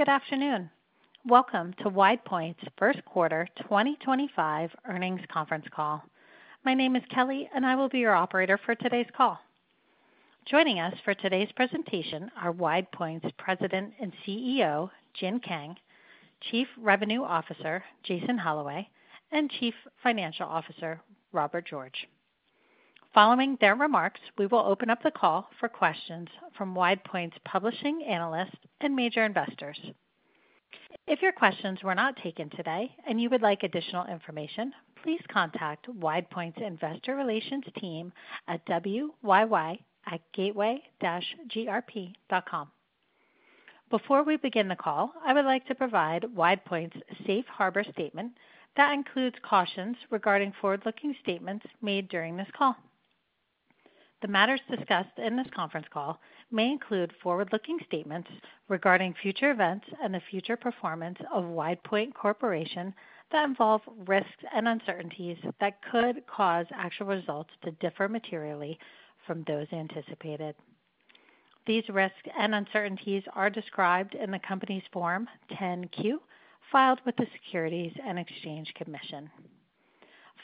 Good afternoon. Welcome to WidePoint's First Quarter 2025 Earnings Conference Call. My name is Kelly, and I will be your operator for today's call. Joining us for today's presentation are WidePoint's President and CEO, Jin Kang, Chief Revenue Officer, Jason Holloway, and Chief Financial Officer, Robert George. Following their remarks, we will open up the call for questions from WidePoint's publishing analysts and major investors. If your questions were not taken today and you would like additional information, please contact WidePoint's investor relations team at wyy@gateway-grp.com. Before we begin the call, I would like to provide WidePoint's safe harbor statement that includes cautions regarding forward-looking statements made during this call. The matters discussed in this conference call may include forward-looking statements regarding future events and the future performance of WidePoint Corporation that involve risks and uncertainties that could cause actual results to differ materially from those anticipated. These risks and uncertainties are described in the company's Form 10-Q filed with the Securities and Exchange Commission.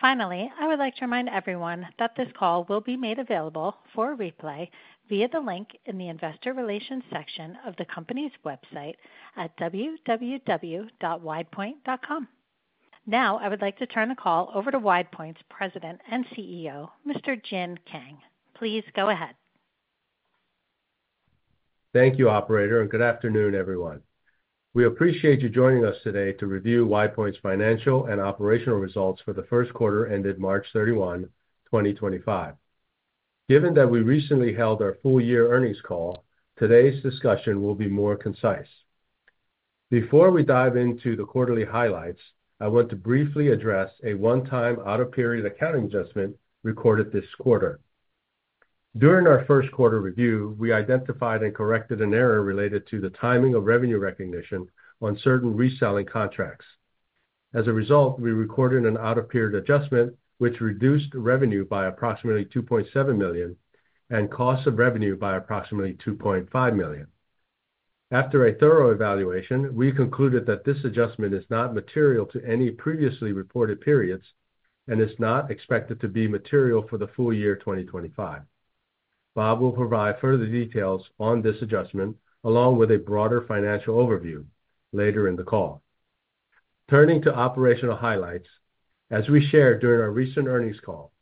Finally, I would like to remind everyone that this call will be made available for replay via the link in the investor relations section of the company's website at www.widepoint.com. Now, I would like to turn the call over to WidePoint's President and CEO, Mr. Jin Kang. Please go ahead. Thank you, Operator, and good afternoon, everyone. We appreciate you joining us today to review WidePoint's financial and operational results for the first quarter ended March 31, 2025. Given that we recently held our full-year earnings call, today's discussion will be more concise. Before we dive into the quarterly highlights, I want to briefly address a one-time out-of-period accounting adjustment recorded this quarter. During our first quarter review, we identified and corrected an error related to the timing of revenue recognition on certain reselling contracts. As a result, we recorded an out-of-period adjustment, which reduced revenue by approximately $2.7 million and cost of revenue by approximately $2.5 million. After a thorough evaluation, we concluded that this adjustment is not material to any previously reported periods and is not expected to be material for the full year 2025. Bob will provide further details on this adjustment, along with a broader financial overview later in the call. Turning to operational highlights, as we shared during our recent earnings call,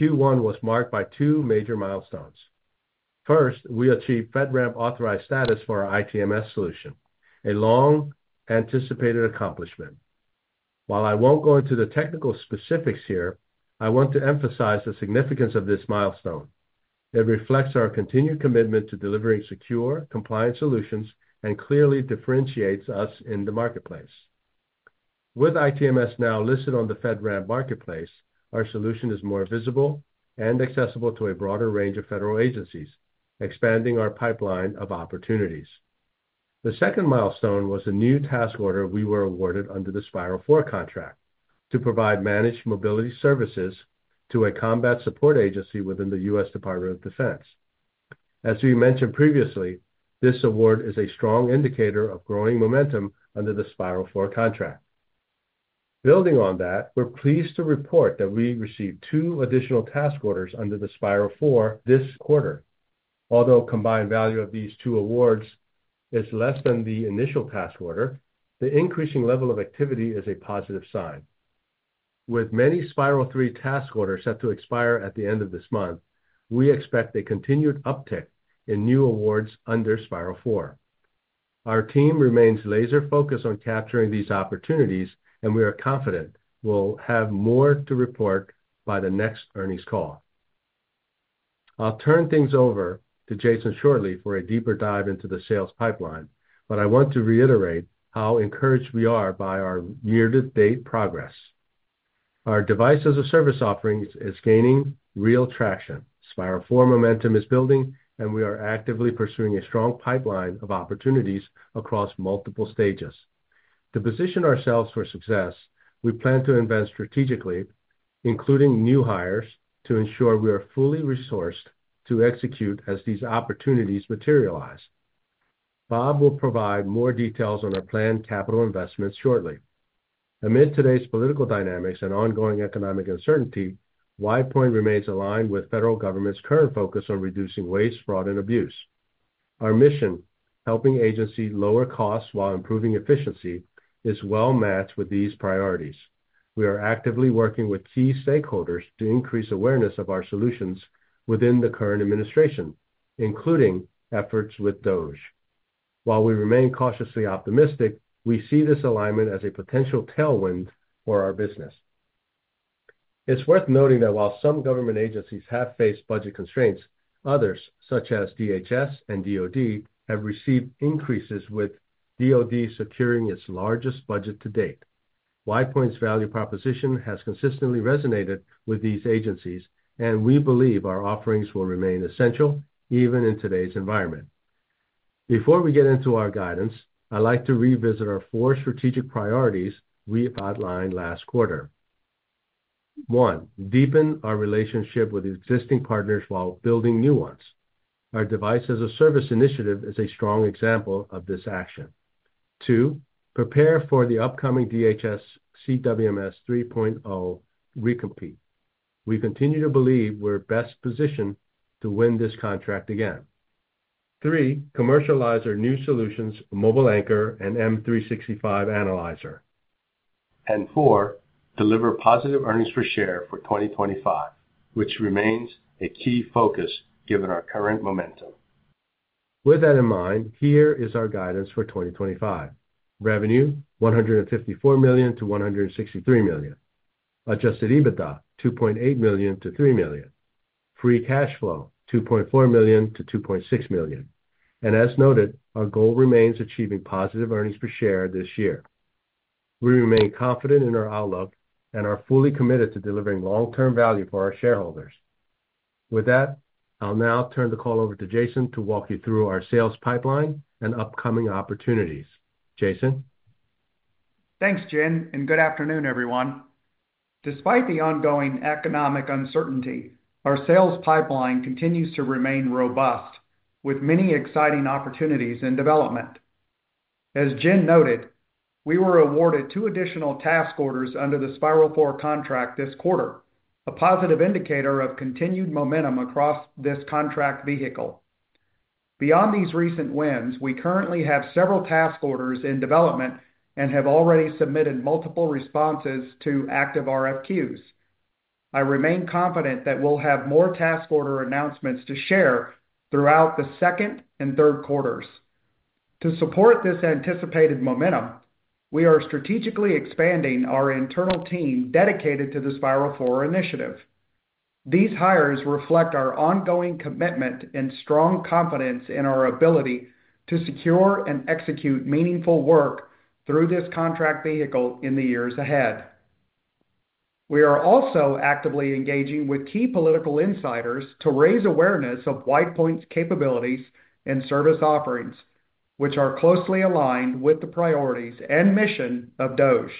Q1 was marked by two major milestones. First, we achieved FedRAMP authorized status for our ITMS solution, a long-anticipated accomplishment. While I won't go into the technical specifics here, I want to emphasize the significance of this milestone. It reflects our continued commitment to delivering secure, compliant solutions and clearly differentiates us in the marketplace. With ITMS now listed on the FedRAMP marketplace, our solution is more visible and accessible to a broader range of federal agencies, expanding our pipeline of opportunities. The second milestone was a new task order we were awarded under the Spiral 4 contract to provide managed mobility services to a combat support agency within the U.S. Department of Defense. As we mentioned previously, this award is a strong indicator of growing momentum under the Spiral 4 contract. Building on that, we're pleased to report that we received two additional task orders under the Spiral 4 this quarter. Although the combined value of these two awards is less than the initial task order, the increasing level of activity is a positive sign. With many Spiral 3 task orders set to expire at the end of this month, we expect a continued uptick in new awards under Spiral 4. Our team remains laser-focused on capturing these opportunities, and we are confident we'll have more to report by the next earnings call. I'll turn things over to Jason shortly for a deeper dive into the sales pipeline, but I want to reiterate how encouraged we are by our year-to-date progress. Our Device-as-a-Service offering is gaining real traction. Spiral 4 momentum is building, and we are actively pursuing a strong pipeline of opportunities across multiple stages. To position ourselves for success, we plan to invest strategically, including new hires, to ensure we are fully resourced to execute as these opportunities materialize. Bob will provide more details on our planned capital investments shortly. Amid today's political dynamics and ongoing economic uncertainty, WidePoint remains aligned with the federal government's current focus on reducing waste, fraud, and abuse. Our mission, helping agencies lower costs while improving efficiency, is well-matched with these priorities. We are actively working with key stakeholders to increase awareness of our solutions within the current administration, including efforts with DOGE. While we remain cautiously optimistic, we see this alignment as a potential tailwind for our business. It's worth noting that while some government agencies have faced budget constraints, others, such as DHS and DOD, have received increases, with DOD securing its largest budget to date. WidePoint's value proposition has consistently resonated with these agencies, and we believe our offerings will remain essential even in today's environment. Before we get into our guidance, I'd like to revisit our four strategic priorities we outlined last quarter. One, deepen our relationship with existing partners while building new ones. Our Device-as-a-Service initiative is a strong example of this action. Two, prepare for the upcoming DHS CWMS 3.0 recompete. We continue to believe we're best positioned to win this contract again. Three, commercialize our new solutions, MobileAnchor and M365 Analyzer. And four, deliver positive earnings per share for 2025, which remains a key focus given our current momentum. With that in mind, here is our guidance for 2025: revenue, $154 million-$163 million, adjusted EBITDA, $2.8 million-$3 million, free cash flow, $2.4 million-$2.6 million. As noted, our goal remains achieving positive earnings per share this year. We remain confident in our outlook and are fully committed to delivering long-term value for our shareholders. With that, I'll now turn the call over to Jason to walk you through our sales pipeline and upcoming opportunities. Jason. Thanks, Jin, and good afternoon, everyone. Despite the ongoing economic uncertainty, our sales pipeline continues to remain robust, with many exciting opportunities in development. As Jin noted, we were awarded two additional task orders under the Spiral 4 contract this quarter, a positive indicator of continued momentum across this contract vehicle. Beyond these recent wins, we currently have several task orders in development and have already submitted multiple responses to active RFQs. I remain confident that we'll have more task order announcements to share throughout the second and third quarters. To support this anticipated momentum, we are strategically expanding our internal team dedicated to the Spiral 4 initiative. These hires reflect our ongoing commitment and strong confidence in our ability to secure and execute meaningful work through this contract vehicle in the years ahead. We are also actively engaging with key political insiders to raise awareness of WidePoint's capabilities and service offerings, which are closely aligned with the priorities and mission of DOGE.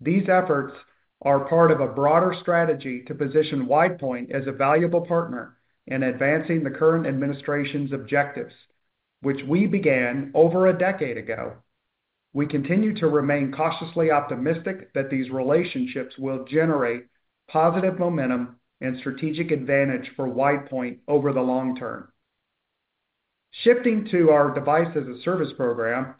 These efforts are part of a broader strategy to position WidePoint as a valuable partner in advancing the current administration's objectives, which we began over a decade ago. We continue to remain cautiously optimistic that these relationships will generate positive momentum and strategic advantage for WidePoint over the long term. Shifting to our Device-as-a-Service program,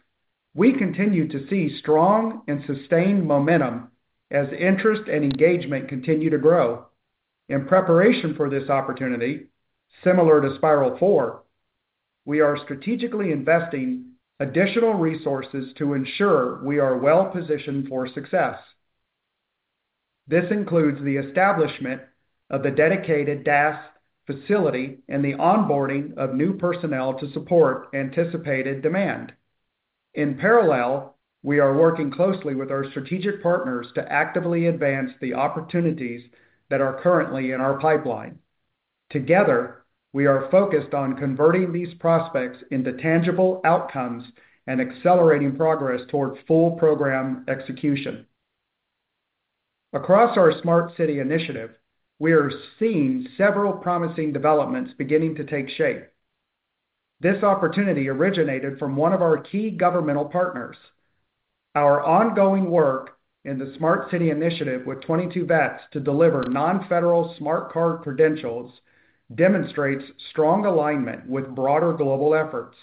we continue to see strong and sustained momentum as interest and engagement continue to grow. In preparation for this opportunity, similar to Spiral 4, we are strategically investing additional resources to ensure we are well-positioned for success. This includes the establishment of the dedicated DAS facility and the onboarding of new personnel to support anticipated demand. In parallel, we are working closely with our strategic partners to actively advance the opportunities that are currently in our pipeline. Together, we are focused on converting these prospects into tangible outcomes and accelerating progress toward full program execution. Across our smart city initiative, we are seeing several promising developments beginning to take shape. This opportunity originated from one of our key governmental partners. Our ongoing work in the smart city initiative with 22Vets to deliver non-federal smart card credentials demonstrates strong alignment with broader global efforts.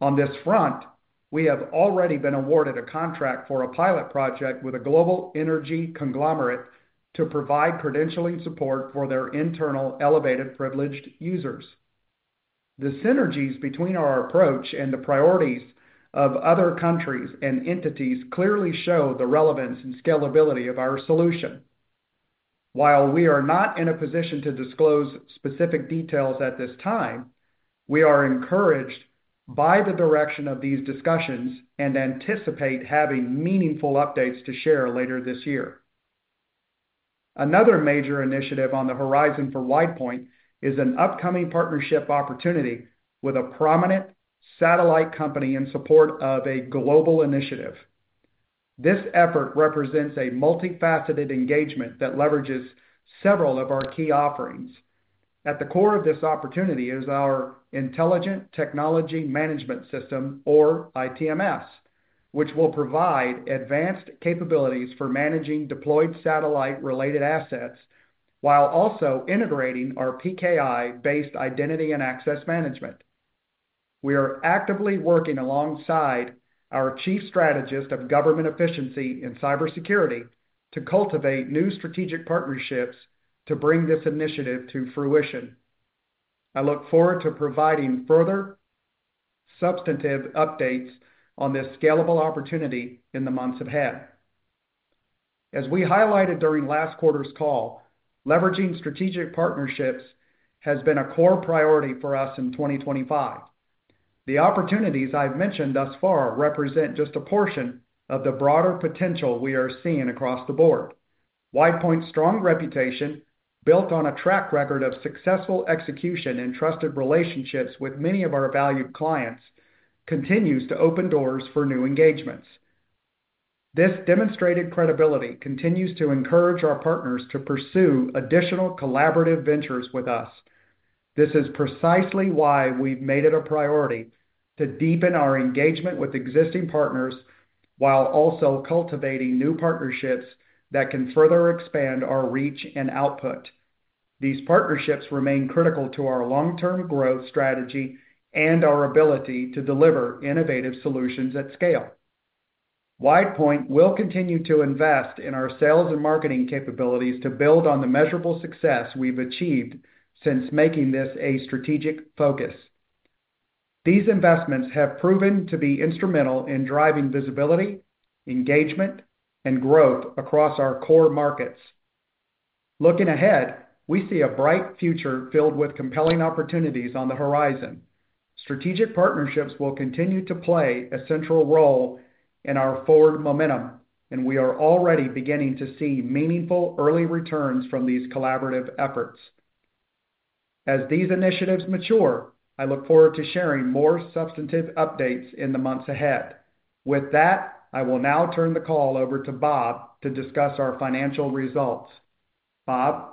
On this front, we have already been awarded a contract for a pilot project with a global energy conglomerate to provide credentialing support for their internal elevated privileged users. The synergies between our approach and the priorities of other countries and entities clearly show the relevance and scalability of our solution. While we are not in a position to disclose specific details at this time, we are encouraged by the direction of these discussions and anticipate having meaningful updates to share later this year. Another major initiative on the horizon for WidePoint is an upcoming partnership opportunity with a prominent satellite company in support of a global initiative. This effort represents a multifaceted engagement that leverages several of our key offerings. At the core of this opportunity is our Intelligent Technology Management System, or ITMS, which will provide advanced capabilities for managing deployed satellite-related assets while also integrating our PKI-based identity and access management. We are actively working alongside our chief strategist of government efficiency and cybersecurity to cultivate new strategic partnerships to bring this initiative to fruition. I look forward to providing further substantive updates on this scalable opportunity in the months ahead. As we highlighted during last quarter's call, leveraging strategic partnerships has been a core priority for us in 2025. The opportunities I've mentioned thus far represent just a portion of the broader potential we are seeing across the board. WidePoint's strong reputation, built on a track record of successful execution and trusted relationships with many of our valued clients, continues to open doors for new engagements. This demonstrated credibility continues to encourage our partners to pursue additional collaborative ventures with us. This is precisely why we've made it a priority to deepen our engagement with existing partners while also cultivating new partnerships that can further expand our reach and output. These partnerships remain critical to our long-term growth strategy and our ability to deliver innovative solutions at scale. WidePoint will continue to invest in our sales and marketing capabilities to build on the measurable success we've achieved since making this a strategic focus. These investments have proven to be instrumental in driving visibility, engagement, and growth across our core markets. Looking ahead, we see a bright future filled with compelling opportunities on the horizon. Strategic partnerships will continue to play a central role in our forward momentum, and we are already beginning to see meaningful early returns from these collaborative efforts. As these initiatives mature, I look forward to sharing more substantive updates in the months ahead. With that, I will now turn the call over to Bob to discuss our financial results. Bob.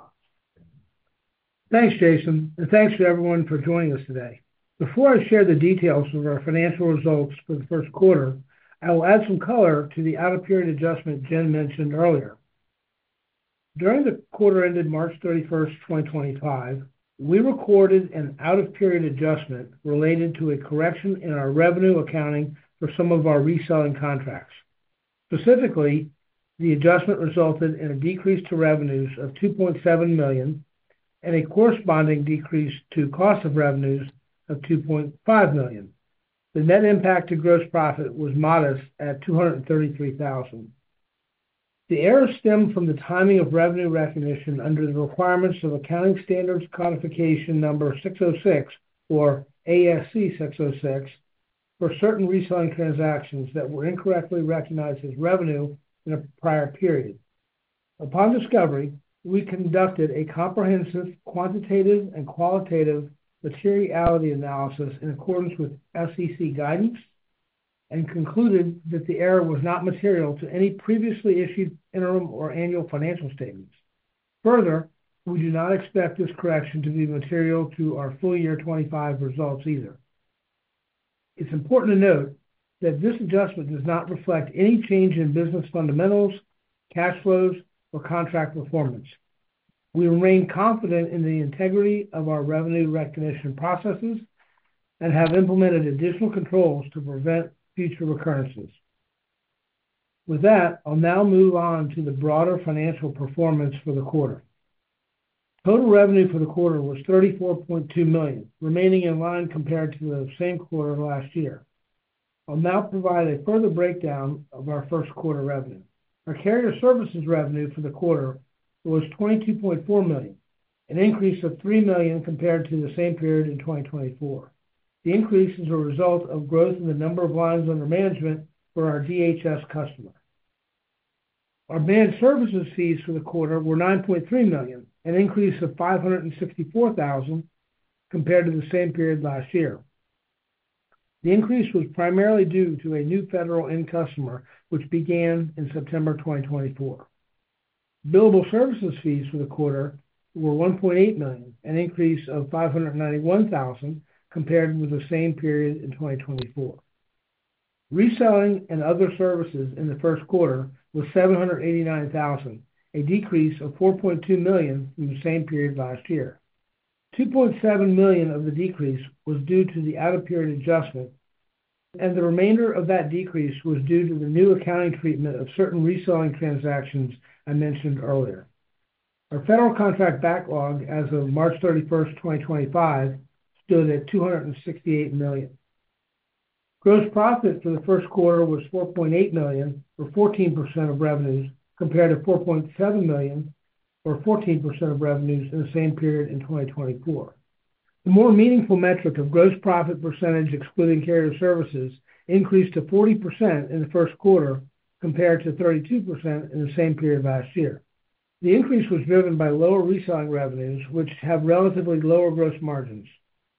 Thanks, Jason. Thanks to everyone for joining us today. Before I share the details of our financial results for the first quarter, I will add some color to the out-of-period adjustment Jin mentioned earlier. During the quarter ended March 31st, 2025, we recorded an out-of-period adjustment related to a correction in our revenue accounting for some of our reselling contracts. Specifically, the adjustment resulted in a decrease to revenues of $2.7 million and a corresponding decrease to cost of revenues of $2.5 million. The net impact to gross profit was modest at $233,000. The errors stem from the timing of revenue recognition under the requirements of Accounting Standards Codification Number 606, or ASC 606, for certain reselling transactions that were incorrectly recognized as revenue in a prior period. Upon discovery, we conducted a comprehensive quantitative and qualitative materiality analysis in accordance with SEC guidance and concluded that the error was not material to any previously issued interim or annual financial statements. Further, we do not expect this correction to be material to our full year 2025 results either. It's important to note that this adjustment does not reflect any change in business fundamentals, cash flows, or contract performance. We remain confident in the integrity of our revenue recognition processes and have implemented additional controls to prevent future recurrences. With that, I'll now move on to the broader financial performance for the quarter. Total revenue for the quarter was $34.2 million, remaining in line compared to the same quarter last year. I'll now provide a further breakdown of our first quarter revenue. Our carrier services revenue for the quarter was $22.4 million, an increase of $3 million compared to the same period in 2024. The increase is a result of growth in the number of lines under management for our DHS customer. Our managed services fees for the quarter were $9.3 million, an increase of $564,000 compared to the same period last year. The increase was primarily due to a new federal end customer, which began in September 2024. Billable services fees for the quarter were $1.8 million, an increase of $591,000 compared with the same period in 2024. Reselling and other services in the first quarter was $789,000, a decrease of $4.2 million from the same period last year. $2.7 million of the decrease was due to the out-of-period adjustment, and the remainder of that decrease was due to the new accounting treatment of certain reselling transactions I mentioned earlier. Our federal contract backlog as of March 31, 2025, stood at $268 million. Gross profit for the first quarter was $4.8 million, or 14% of revenues, compared to $4.7 million, or 14% of revenues in the same period in 2024. The more meaningful metric of gross profit percentage, excluding carrier services, increased to 40% in the first quarter compared to 32% in the same period last year. The increase was driven by lower reselling revenues, which have relatively lower gross margins.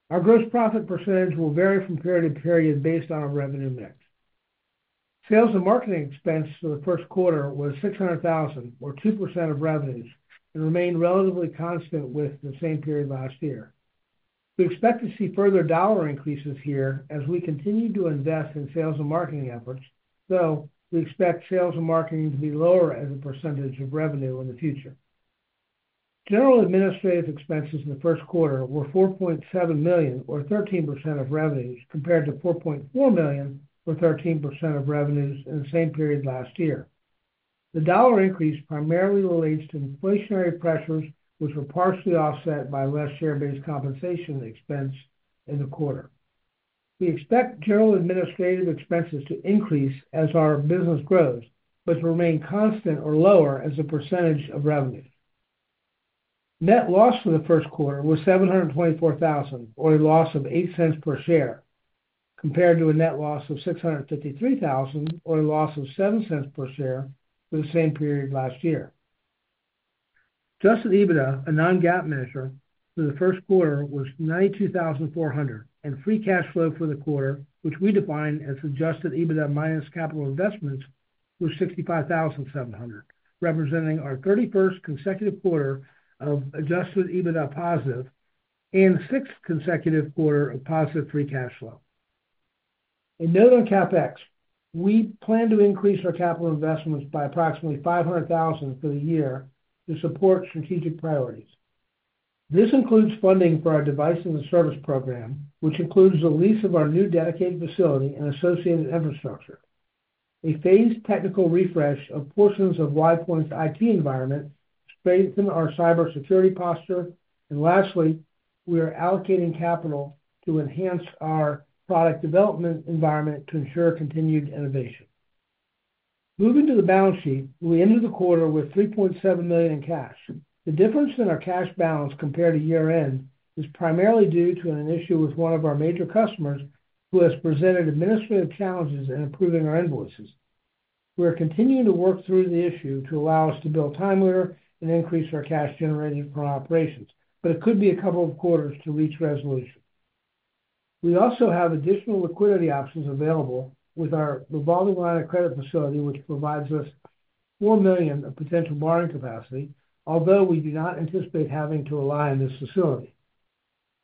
Our gross profit percentage will vary from period to period based on our revenue mix. Sales and marketing expense for the first quarter was $600,000, or 2% of revenues, and remained relatively constant with the same period last year. We expect to see further dollar increases here as we continue to invest in sales and marketing efforts, though we expect sales and marketing to be lower as a percentage of revenue in the future. General administrative expenses in the first quarter were $4.7 million, or 13% of revenues, compared to $4.4 million, or 13% of revenues in the same period last year. The dollar increase primarily relates to inflationary pressures, which were partially offset by less share-based compensation expense in the quarter. We expect general administrative expenses to increase as our business grows, but to remain constant or lower as a percentage of revenue. Net loss for the first quarter was $724,000, or a loss of $0.08 per share, compared to a net loss of $653,000, or a loss of $0.07 per share for the same period last year. Adjusted EBITDA, a non-GAAP measure for the first quarter, was $92,400, and free cash flow for the quarter, which we define as adjusted EBITDA minus capital investments, was $65,700, representing our 31st consecutive quarter of adjusted EBITDA positive and sixth consecutive quarter of positive free cash flow. In CapEx, we plan to increase our capital investments by approximately $500,000 for the year to support strategic priorities. This includes funding for our Device-as-a-Service program, which includes the lease of our new dedicated facility and associated infrastructure. A phased technical refresh of portions of WidePoint's IT environment strengthened our cybersecurity posture. Lastly, we are allocating capital to enhance our product development environment to ensure continued innovation. Moving to the balance sheet, we ended the quarter with $3.7 million in cash. The difference in our cash balance compared to year-end is primarily due to an issue with one of our major customers who has presented administrative challenges in approving our invoices. We are continuing to work through the issue to allow us to bill time later and increase our cash generated from operations, but it could be a couple of quarters to reach resolution. We also have additional liquidity options available with our revolving line of credit facility, which provides us $4 million of potential borrowing capacity, although we do not anticipate having to utilize this facility.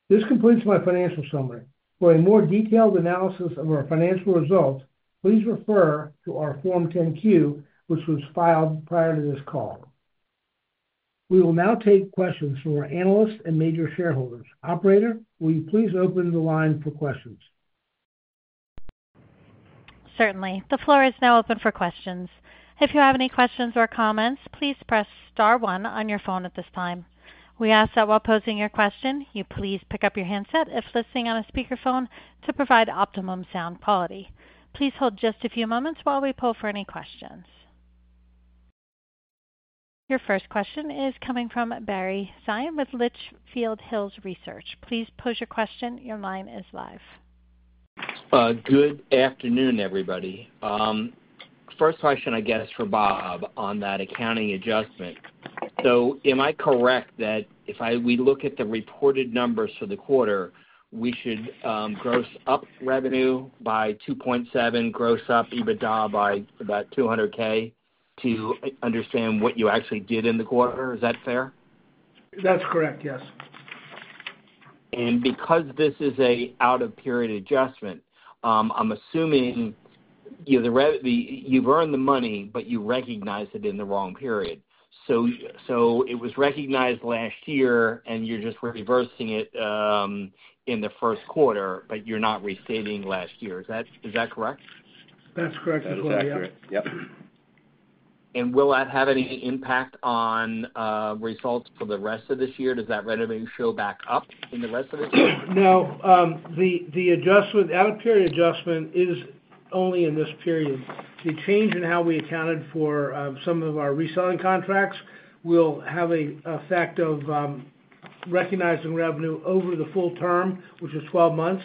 This completes my financial summary. For a more detailed analysis of our financial results, please refer to our Form 10-Q, which was filed prior to this call. We will now take questions from our analysts and major shareholders. Operator, will you please open the line for questions? Certainly. The floor is now open for questions. If you have any questions or comments, please press star one on your phone at this time. We ask that while posing your question, you please pick up your handset if listening on a speakerphone to provide optimum sound quality. Please hold just a few moments while we pull for any questions. Your first question is coming from Barry Sine with Litchfield Hills Research. Please pose your question. Your line is live. Good afternoon, everybody. First question, I guess, for Bob on that accounting adjustment. Am I correct that if we look at the reported numbers for the quarter, we should gross up revenue by $2.7 million, gross up EBITDA by about $200,000 to understand what you actually did in the quarter? Is that fair? That's correct, yes. Because this is an out-of-period adjustment, I'm assuming you've earned the money, but you recognized it in the wrong period. It was recognized last year, and you're just reversing it in the first quarter, but you're not restating last year. Is that correct? That's correct as well, yeah. That is accurate. Yep. Will that have any impact on results for the rest of this year? Does that revenue show back up in the rest of this year? No. The out-of-period adjustment is only in this period. The change in how we accounted for some of our reselling contracts will have an effect of recognizing revenue over the full term, which is 12 months.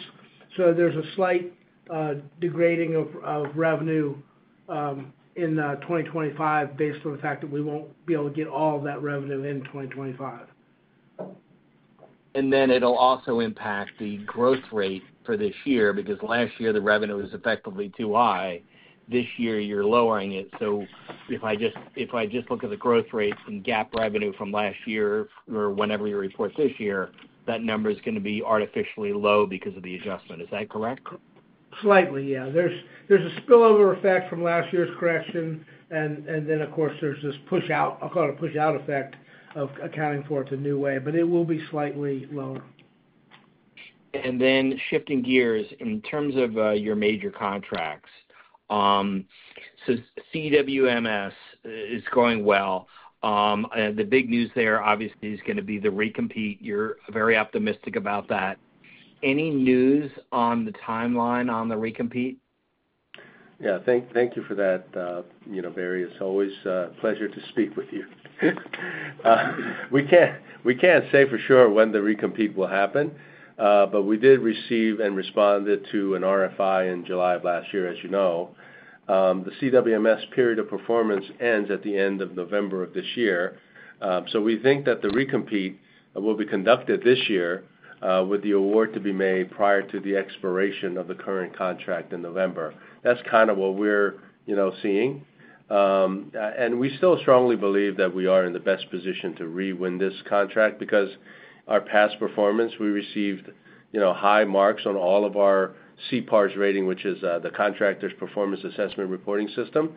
There is a slight degrading of revenue in 2025 based on the fact that we will not be able to get all of that revenue in 2025. It'll also impact the growth rate for this year because last year the revenue was effectively too high. This year you're lowering it. If I just look at the growth rate and GAAP revenue from last year or whenever you report this year, that number is going to be artificially low because of the adjustment. Is that correct? Slightly, yeah. There's a spillover effect from last year's correction. There's this push-out, I'll call it a push-out effect of accounting for it the new way, but it will be slightly lower. Shifting gears in terms of your major contracts. CWMS is going well. The big news there, obviously, is going to be the recompete. You're very optimistic about that. Any news on the timeline on the recompete? Yeah. Thank you for that, Barry. It's always a pleasure to speak with you. We can't say for sure when the recompete will happen, but we did receive and responded to an RFI in July of last year, as you know. The CWMS period of performance ends at the end of November of this year. We think that the recompete will be conducted this year with the award to be made prior to the expiration of the current contract in November. That's kind of what we're seeing. We still strongly believe that we are in the best position to rewin this contract because our past performance, we received high marks on all of our CPARS rating, which is the Contractor Performance Assessment Reporting System.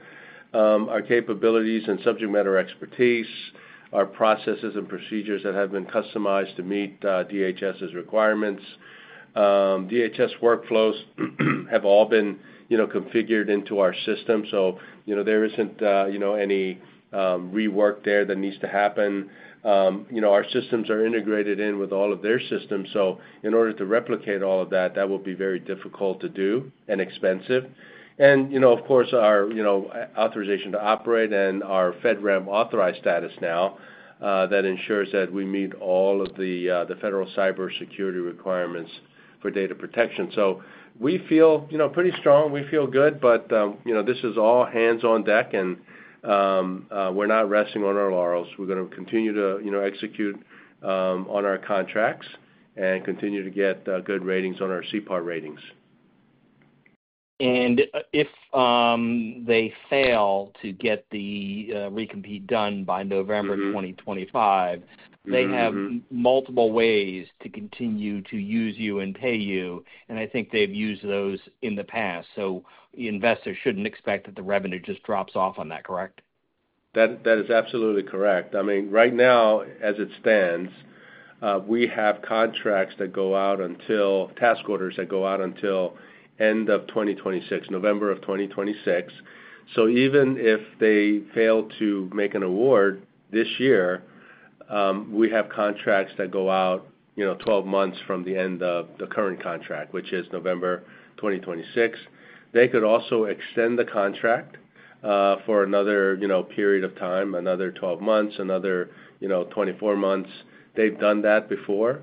Our capabilities and subject matter expertise, our processes and procedures that have been customized to meet DHS's requirements. DHS workflows have all been configured into our system, so there isn't any rework there that needs to happen. Our systems are integrated in with all of their systems. In order to replicate all of that, that will be very difficult to do and expensive. Of course, our authorization to operate and our FedRAMP authorized status now ensures that we meet all of the federal cybersecurity requirements for data protection. We feel pretty strong. We feel good, but this is all hands on deck, and we're not resting on our laurels. We're going to continue to execute on our contracts and continue to get good ratings on our CPAR ratings. If they fail to get the recompete done by November 2025, they have multiple ways to continue to use you and pay you. I think they've used those in the past. Investors shouldn't expect that the revenue just drops off on that, correct? That is absolutely correct. I mean, right now, as it stands, we have contracts that go out until task orders that go out until end of 2026, November of 2026. Even if they fail to make an award this year, we have contracts that go out 12 months from the end of the current contract, which is November 2026. They could also extend the contract for another period of time, another 12 months, another 24 months. They've done that before.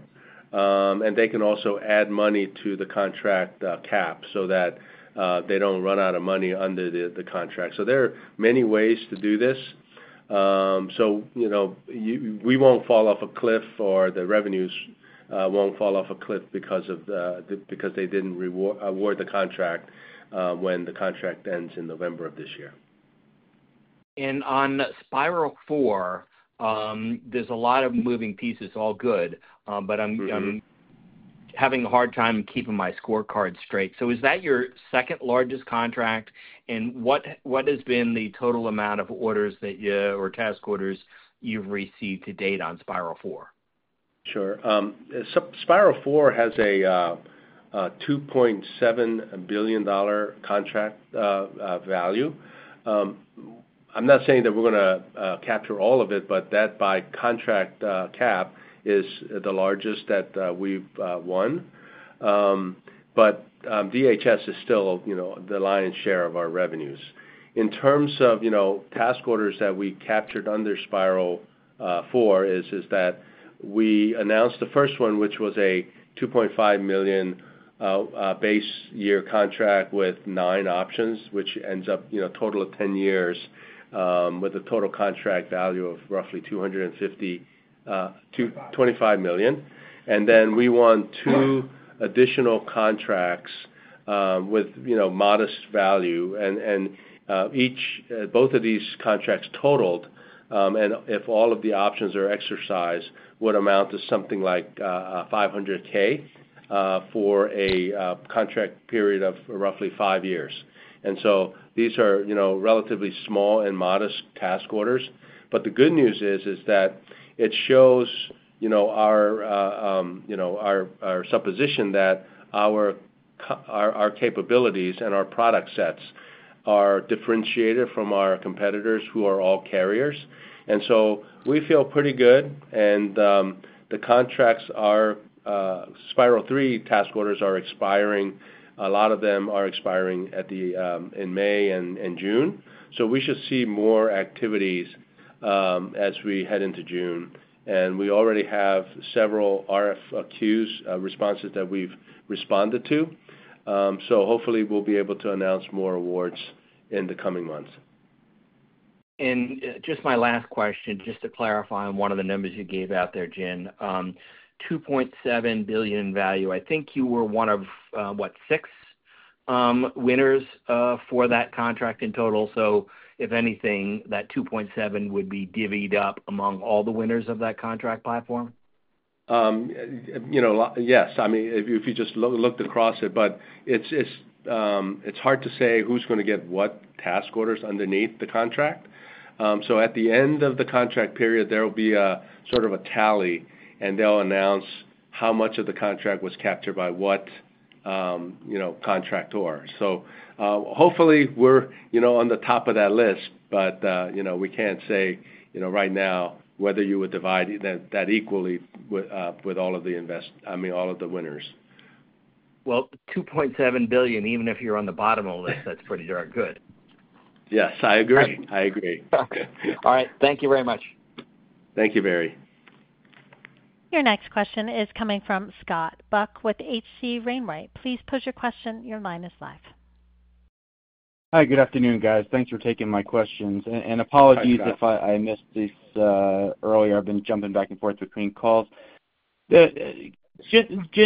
They can also add money to the contract cap so that they do not run out of money under the contract. There are many ways to do this. We will not fall off a cliff, or the revenues will not fall off a cliff because they did not award the contract when the contract ends in November of this year. On Spiral 4, there's a lot of moving pieces. All good, but I'm having a hard time keeping my scorecard straight. Is that your second largest contract? What has been the total amount of orders or task orders you've received to date on Spiral 4? Sure. Spiral 4 has a $2.7 billion contract value. I'm not saying that we're going to capture all of it, but that by contract cap is the largest that we've won. DHS is still the lion's share of our revenues. In terms of task orders that we captured under Spiral 4, we announced the first one, which was a $2.5 million base year contract with nine options, which ends up a total of 10 years with a total contract value of roughly $25 million. We won two additional contracts with modest value. Both of these contracts totaled, and if all of the options are exercised, would amount to something like $500,000 for a contract period of roughly five years. These are relatively small and modest task orders. The good news is that it shows our supposition that our capabilities and our product sets are differentiated from our competitors who are all carriers. We feel pretty good. The contracts are Spiral 3 task orders are expiring. A lot of them are expiring in May and June. We should see more activities as we head into June. We already have several RFQs responses that we've responded to. Hopefully, we'll be able to announce more awards in the coming months. Just my last question, just to clarify on one of the numbers you gave out there, Jin, $2.7 billion in value. I think you were one of, what, six winners for that contract in total. If anything, that $2.7 billion would be divvied up among all the winners of that contract platform? Yes. I mean, if you just looked across it, but it's hard to say who's going to get what task orders underneath the contract. At the end of the contract period, there will be a sort of a tally, and they'll announce how much of the contract was captured by what contractor. Hopefully, we're on the top of that list, but we can't say right now whether you would divide that equally with all of the, I mean, all of the winners. $2.7 billion, even if you're on the bottom of the list, that's pretty darn good. Yes, I agree. All right. Thank you very much. Thank you, Barry. Your next question is coming from Scott Buck with H.C. Wainwright. Please pose your question. Your line is live. Hi. Good afternoon, guys. Thanks for taking my questions. Apologies if I missed this earlier. I've been jumping back and forth between calls. Jin,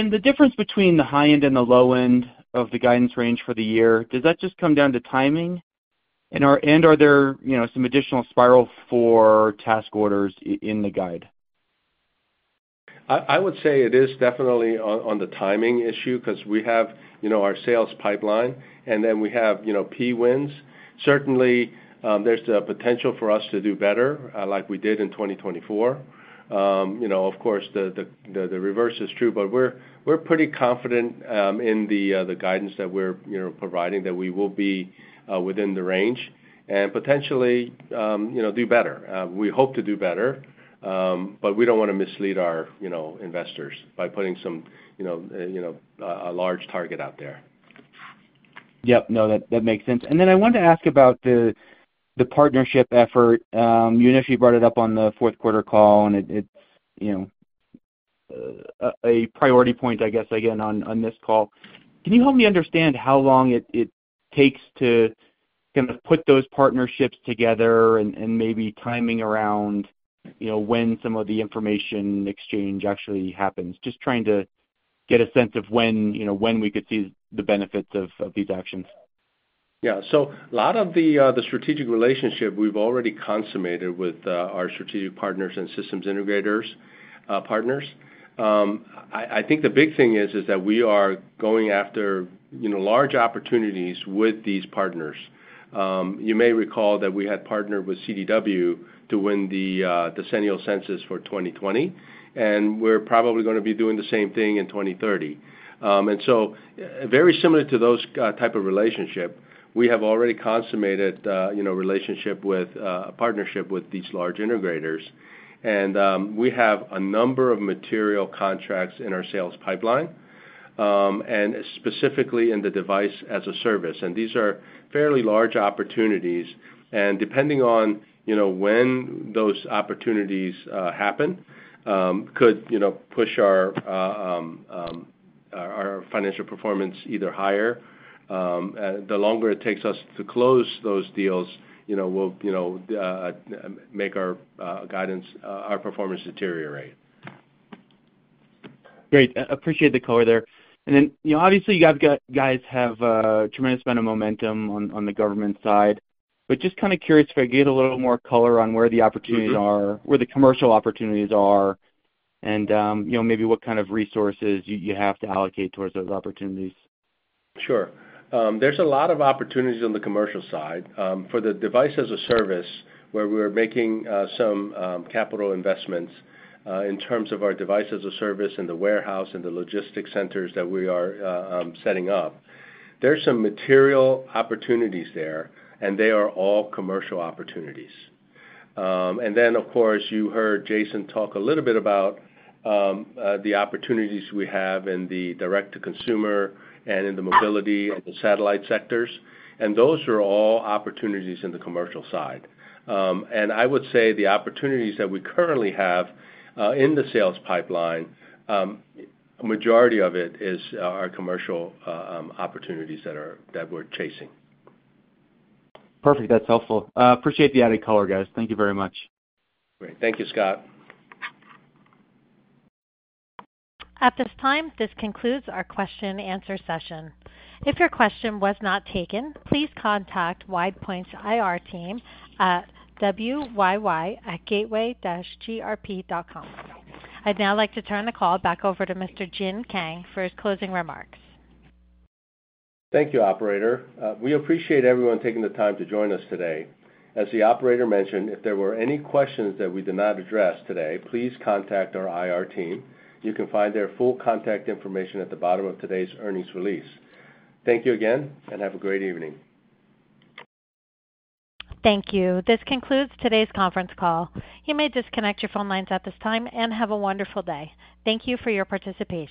the difference between the high end and the low end of the guidance range for the year, does that just come down to timing? Are there some additional Spiral 4 task orders in the guide? I would say it is definitely on the timing issue because we have our sales pipeline, and then we have P wins. Certainly, there's the potential for us to do better like we did in 2024. Of course, the reverse is true, but we're pretty confident in the guidance that we're providing that we will be within the range and potentially do better. We hope to do better, but we don't want to mislead our investors by putting some a large target out there. Yep. No, that makes sense. I wanted to ask about the partnership effort. You initially brought it up on the fourth quarter call, and it's a priority point, I guess, again on this call. Can you help me understand how long it takes to kind of put those partnerships together and maybe timing around when some of the information exchange actually happens? Just trying to get a sense of when we could see the benefits of these actions. Yeah. A lot of the strategic relationship we've already consummated with our strategic partners and systems integrators partners. I think the big thing is that we are going after large opportunities with these partners. You may recall that we had partnered with CDW to win the decennial census for 2020, and we're probably going to be doing the same thing in 2030. Very similar to those type of relationship, we have already consummated relationship with a partnership with these large integrators. We have a number of material contracts in our sales pipeline, and specifically in the Device-as-a-Service. These are fairly large opportunities. Depending on when those opportunities happen, could push our financial performance either higher. The longer it takes us to close those deals, we'll make our guidance, our performance deteriorate. Great. Appreciate the color there. Obviously, you guys have a tremendous amount of momentum on the government side. Just kind of curious if I could get a little more color on where the opportunities are, where the commercial opportunities are, and maybe what kind of resources you have to allocate towards those opportunities. Sure. There's a lot of opportunities on the commercial side. For the Device-as-a-Service, where we're making some capital investments in terms of our Device-as-a-Service and the warehouse and the logistics centers that we are setting up, there's some material opportunities there, and they are all commercial opportunities. Of course, you heard Jason talk a little bit about the opportunities we have in the direct-to-consumer and in the mobility and the satellite sectors. Those are all opportunities in the commercial side. I would say the opportunities that we currently have in the sales pipeline, majority of it is our commercial opportunities that we're chasing. Perfect. That's helpful. Appreciate the added color, guys. Thank you very much. Great. Thank you, Scott. At this time, this concludes our question-and-answer session. If your question was not taken, please contact WidePoint's IR team at wyy@gateway-grp.com. I'd now like to turn the call back over to Mr. Jin Kang for his closing remarks. Thank you, Operator. We appreciate everyone taking the time to join us today. As the Operator mentioned, if there were any questions that we did not address today, please contact our IR team. You can find their full contact information at the bottom of today's earnings release. Thank you again, and have a great evening. Thank you. This concludes today's conference call. You may disconnect your phone lines at this time and have a wonderful day. Thank you for your participation.